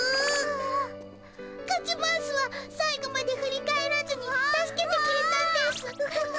カズマウスは最後まで振り返らずに助けてくれたんですぅ。